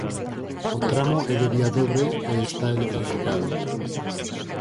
O tramo é de vía dobre e está electrificado.